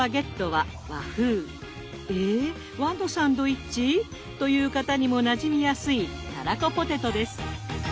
「エ！和のサンドイッチ？」という方にもなじみやすいたらこポテトです。